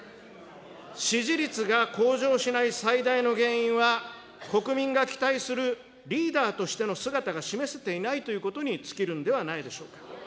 支持率が向上しない最大の原因は国民が期待するリーダーとしての姿が示せていないということに尽きるのではないでしょうか。